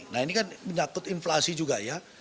nah ini kan menyakut inflasi juga ya